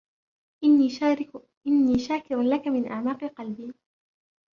إني شاكر لك من أعماق قلبي.